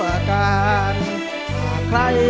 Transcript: ไม่ใช้ครับไม่ใช้ครับ